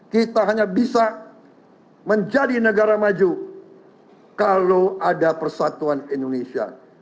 kita hanya bisa menjadi negara maju kalau ada persatuan indonesia